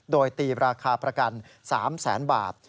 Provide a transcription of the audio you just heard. โดยตีราคาประกัน๓แสนบาท